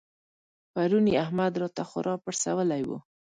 پرون يې احمد راته خورا پړسولی وو.